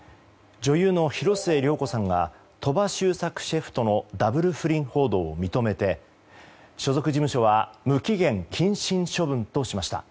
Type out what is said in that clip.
女優の広末涼子さんが鳥羽周作シェフとのダブル不倫報道を認めて所属事務所は無期限謹慎処分としました。